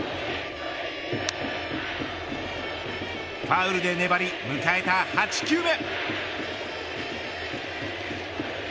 ファウルで粘り迎えた８球目。